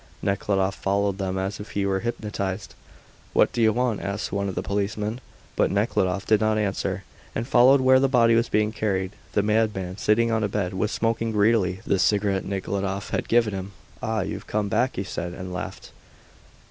Nekhludoff followed them as if he were hypnotised. "What do you want?" asked one of the policemen. But Nekhludoff did not answer, and followed where the body was being carried. The madman, sitting on a bed, was smoking greedily the cigarette Nekhludoff had given him. "Ah, you've come back," he said, and laughed.